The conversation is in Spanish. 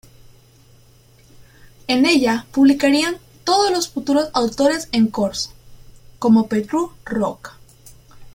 En ella publicarían todos los futuros autores en corso, como Petru Rocca.